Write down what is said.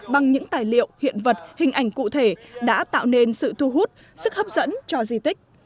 bằng những tài liệu hiện vật hình ảnh cụ thể đã tạo nên sự thu hút sức hấp dẫn cho di tích